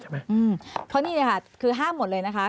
เพราะนี่เลยค่ะคือห้ามหมดเลยนะคะ